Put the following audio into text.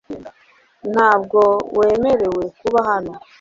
Ntabwo wemerewe kuba hano